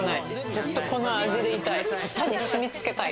ずっと、この味でいたい。